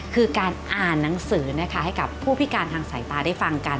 คือการอ่านหนังสือนะคะให้กับผู้พิการทางสายตาได้ฟังกัน